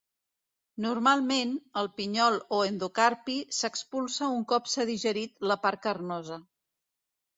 Normalment, el pinyol o endocarpi s'expulsa un cop s'ha digerit la part carnosa.